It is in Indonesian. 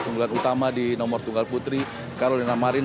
unggulan utama di nomor tunggal putri karolina marin